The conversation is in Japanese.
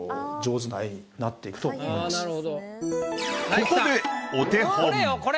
ここでお手本。